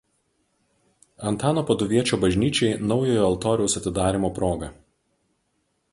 Antano Paduviečio bažnyčiai naujojo altoriaus atidarymo proga.